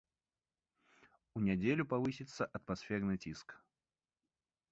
У нядзелю павысіцца атмасферны ціск.